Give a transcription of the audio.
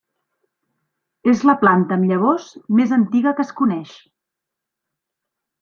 És la planta amb llavors més antiga que es coneix.